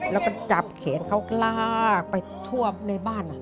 แล้วก็จับแขนเขาลากไปทั่วในบ้าน